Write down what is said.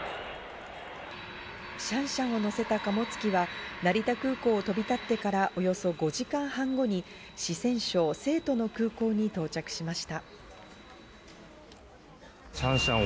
シャンシャンをのせた貨物機は、成田空港を飛び立ってから、およそ５時間半後に四川省成都の空港に到着しました。